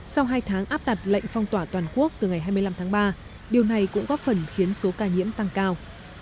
sau hai tháng áp đặt lệnh phong tỏa toàn quốc từ ngày hai mươi năm tháng ba điều này cũng góp phần khiến số ca nhiễm tăng cao